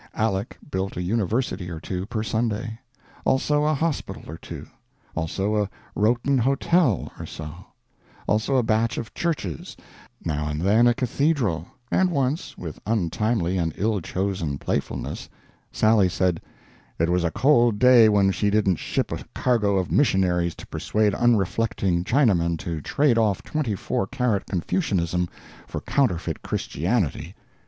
Aleck built a university or two per Sunday; also a hospital or two; also a Rowton hotel or so; also a batch of churches; now and then a cathedral; and once, with untimely and ill chosen playfulness, Sally said, "It was a cold day when she didn't ship a cargo of missionaries to persuade unreflecting Chinamen to trade off twenty four carat Confucianism for counterfeit Christianity."